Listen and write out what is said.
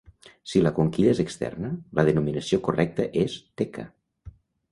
Si la conquilla és externa, la denominació correcta és teca.